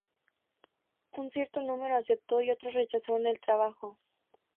Un cierto número aceptó y otros rechazaron el trabajo.